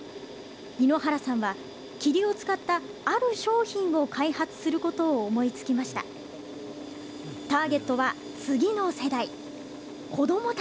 猪ノ原さんは、桐を使ったある商品を開発することを思いつきました。